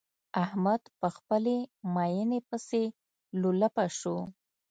احمد په خپلې ميينې پسې لولپه شو.